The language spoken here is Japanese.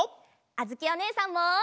あづきおねえさんも！